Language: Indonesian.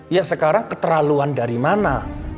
ya sekarang keterlaluan dari mana